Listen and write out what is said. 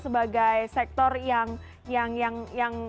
sebagai sektor yang